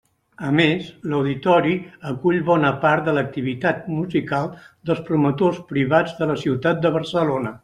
A més, l'Auditori acull bona part de l'activitat musical dels promotors privats de la ciutat de Barcelona.